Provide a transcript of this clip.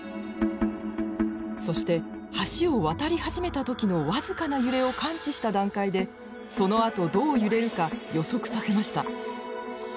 そして橋を渡り始めた時の僅かな揺れを感知した段階でそのあとどう揺れるか予測させました。